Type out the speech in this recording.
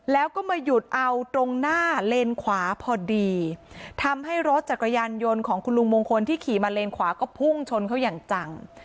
แล้วก็มาหยุดเอาตรงหน้าเลนขวาพอดีทำให้รถจักรยานยนต์ของคุณลุงมงคลที่ขี่มาเลนขวาก็พุ่งชนเขาอย่างจัง